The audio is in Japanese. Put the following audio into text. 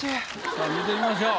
さぁ見てみましょう。